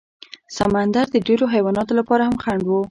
سمندر د ډېرو حیواناتو لپاره هم خنډ و.